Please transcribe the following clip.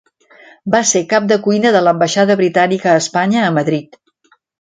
Va ser cap de cuina de l'Ambaixada Britànica a Espanya a Madrid.